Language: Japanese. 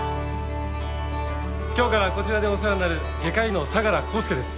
今日からこちらでお世話になる外科医の相良浩介です。